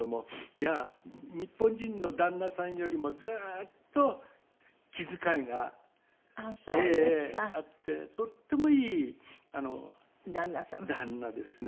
いや日本人の旦那さんよりもずーっと気遣いがあってとってもいい旦那ですね。